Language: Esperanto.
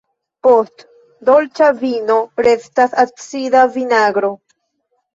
Post dolĉa vino restas acida vinagro.